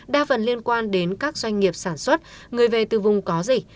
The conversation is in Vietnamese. đa phần liên quan đến các doanh nghiệp sản xuất người về từ vùng có dịch